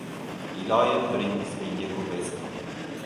— Iloyim, biringiz mingga ko‘paysin.